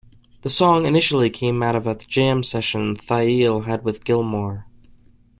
The song initially came out of a jam session Thayil had with Gilmore.